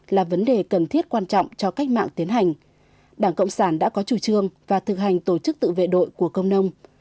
là vấn đề cần thiết quan trọng cho cách mạng tiến hành đảng cộng sản đã có chủ trương và thực hành tổ chức tự vệ đội của công nông